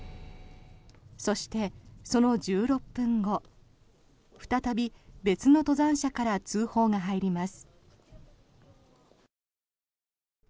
そして、その１６分後再び、別の登山者から通報があります。